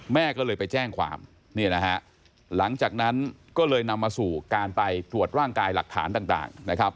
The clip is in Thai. แม่ก็เลยไปแจ้งความเนี่ยนะฮะหลังจากนั้นก็เลยนำมาสู่การไปตรวจร่างกายหลักฐานต่างนะครับ